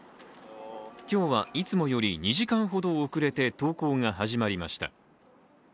今日はいつもより２時間ほど遅れて登校が始まりました。